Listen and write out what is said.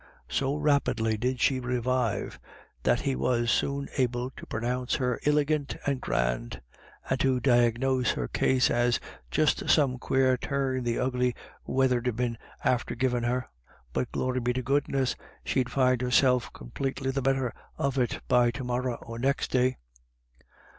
So rapidly did she revive, that he was soon able to pronounce her iligant and grand, and to diagnose her case as " just some quare turn the ugly weather'd been after givin' her. But, glory be to goodness, she'd find herself complately the better of it by to morra or next day."